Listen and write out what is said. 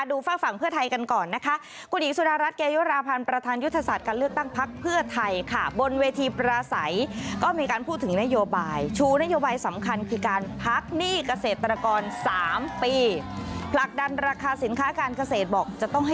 ดูฝั่งเพื่อไทยกันก่อนนะคะ